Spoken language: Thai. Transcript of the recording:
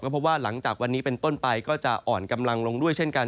เพราะว่าหลังจากวันนี้เป็นต้นไปก็จะอ่อนกำลังลงด้วยเช่นกัน